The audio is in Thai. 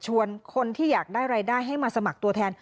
คนที่อยากได้รายได้ให้มาสมัครตัวแทน